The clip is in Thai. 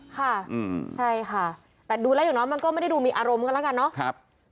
ค่ะใช่ค่ะแต่ดูแล้วอย่างน้อยมันก็ไม่ได้ดูมีอารมณ์กันแล้วกันเนาะ